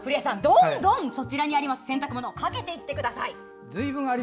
どんどんそちらにある洗濯物をかけていってください。